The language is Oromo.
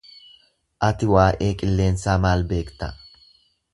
Ati waa'ee qilleensaa maal beekta?